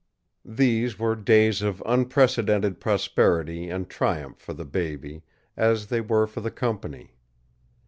These were days of unprecedented prosperity and triumph for the baby, as they were for the company.